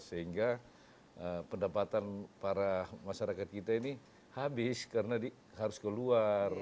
sehingga pendapatan para masyarakat kita ini habis karena harus keluar